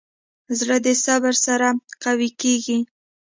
زړه د صبر سره قوي کېږي.